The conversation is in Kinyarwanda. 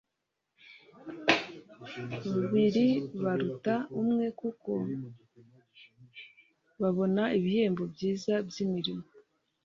Biri baruta umwe kuko babona ibihembo byiza by imirimo